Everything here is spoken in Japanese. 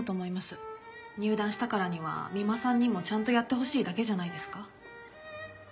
入団したからには三馬さんにもちゃんとやってほしいだけじゃないですか？